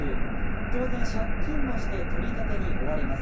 当然、借金もして取り立てに追われます。